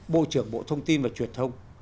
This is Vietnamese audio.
bộ trưởng bộ thông tin và truyền thông